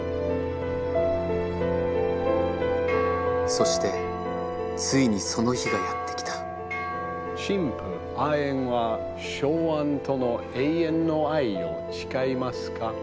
そしてついにその日がやって来た新婦アエンはショウアンとの永遠の愛を誓いますか？